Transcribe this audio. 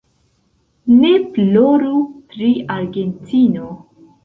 Ne ploru pri Argentino!